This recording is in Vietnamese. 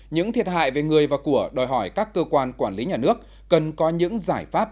những thiệt hại về người và của đòi hỏi các cơ quan quản lý nhà nước cần có những giải pháp